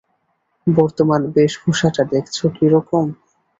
বর্তমান বেশভূষাটা দেখছ কী রকম?